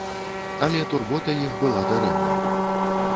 Але турбота іх была дарэмная.